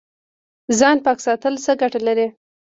ځان پاک ساتل څه ګټه لري؟